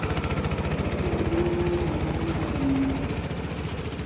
Dalili muhimu ya ugonjwa wa ndigana kali